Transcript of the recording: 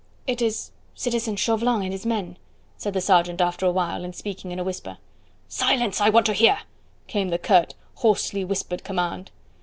"It is citizen Chauvelin and his men," said the sergeant after a while, and speaking in a whisper. "Silence I want to hear," came the curt, hoarsely whispered command.